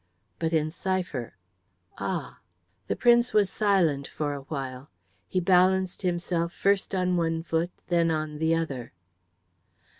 "But in cipher." "Ah!" The Prince was silent for a while. He balanced himself first on one foot, then on the other.